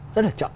rất là chậm